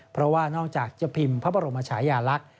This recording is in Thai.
เพราะว่านอกจากจะพิมพ์พระบรมชายาลักษณ์